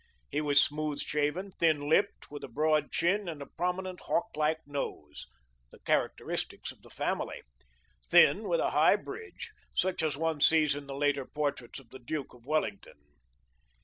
He was smooth shaven, thin lipped, with a broad chin, and a prominent hawk like nose the characteristic of the family thin, with a high bridge, such as one sees in the later portraits of the Duke of Wellington.